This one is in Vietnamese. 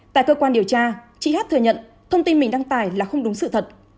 tại cơ quan điều tra chị hát thừa nhận thông tin mình đăng tải là không đúng sự thật